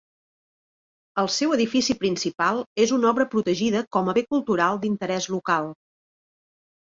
El seu edifici principal és una obra protegida com a bé cultural d'interès local.